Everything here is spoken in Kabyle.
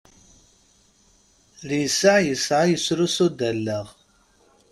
Lisseɛ yesɛa yesrus-d allaɣ.